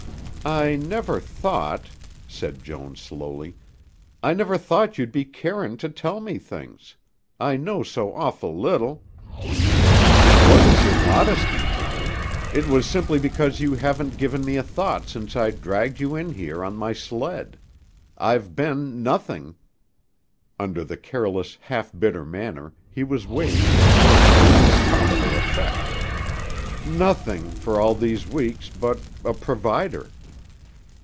"I never thought," said Joan slowly, "I never thought you'd be carin' to tell me things. I know so awful little." "It wasn't your modesty, Joan. It was simply because you haven't given me a thought since I dragged you in here on my sled. I've been nothing" under the careless, half bitter manner, he was weighing his words and their probable effect "nothing, for all these weeks, but a provider."